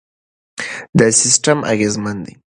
دا سیستم اغېزمن دی.